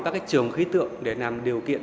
các trường khí tượng để làm điều kiện